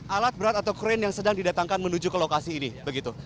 alat berat atau kren yang sedang didatangkan menuju ke lokasi ini begitu